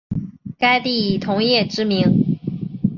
该地以铜业知名。